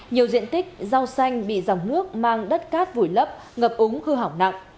nhiều diện tích rau xanh bị dòng nước mang đất cát vùi lấp ngập úng hư hỏng nặng